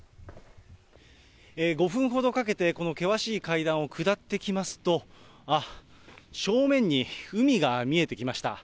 ５分ほどかけて、この険しい階段を下ってきますと、あっ、正面に海が見えてきました。